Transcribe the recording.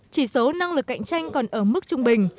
chỉ số năng lực cạnh tranh còn ở mức trung bình